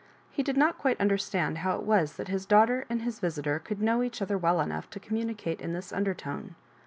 He did not quite understand how it was that his daughter and his visitor could know each other well enough to communicate in this undertone.